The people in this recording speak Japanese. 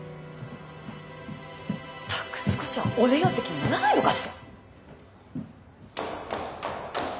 ったく少しは折れようって気にならないのかしら。